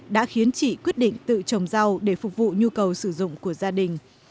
đã khiến chị quyết định tự trồng rau để phục vụ nhu cầu sử dụng của gia đình